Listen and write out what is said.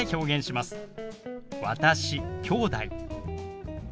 「私」「きょうだい」。